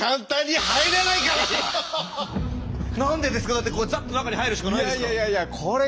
だってザッと中に入るしかないじゃないですか。